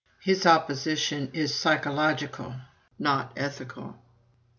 His opposition is psychological, not ethical."